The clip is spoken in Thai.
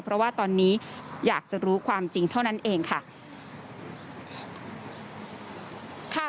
เพราะว่าตอนนี้อยากจะรู้ความจริงเท่านั้นเองค่ะ